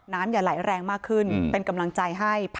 น้ำอย่าไหลแรงมากขึ้นเป็นกำลังใจให้